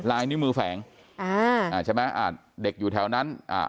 ลายนิ้วมือแฝงอ่าอ่าใช่ไหมอ่าเด็กอยู่แถวนั้นอ่า